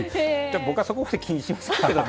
僕はそこまで気にしませんが。